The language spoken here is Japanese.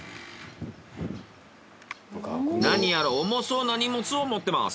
何やら重そうな荷物を持ってます。